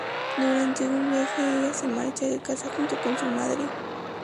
Durante un viaje ella se marcha de casa junto con su madre.